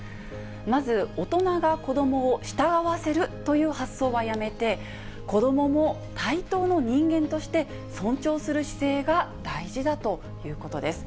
まず、大人が子どもを従わせるという発想はやめて、子どもも対等の人間として尊重する姿勢が大事だということです。